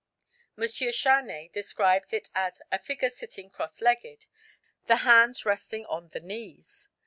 M. Charnay describes it as "a figure sitting cross legged, the hands resting on the knees.